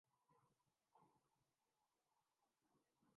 البتہ استاد گرامی سید قاسم محمود